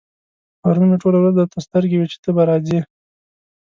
پرون مې ټوله ورځ درته سترګې وې چې ته به راځې.